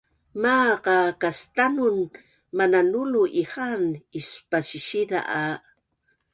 Maaq a kastanun mananulu ihaan ispasisiza a